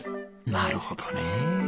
なるほどねえ。